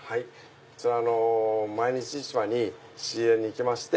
こちら毎日市場に仕入れに行きまして。